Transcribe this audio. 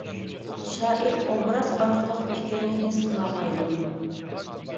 شائىر ئوبراز ئارقىلىق پىكىرنى ھېس قىلالايدۇ.